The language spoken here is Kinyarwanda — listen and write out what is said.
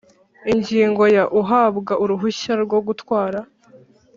Ingingo ya Uhabwa uruhushya rwo gutwara